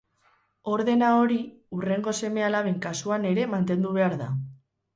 Ordena hori hurrengo seme-alaben kasuan ere mantendu behar da.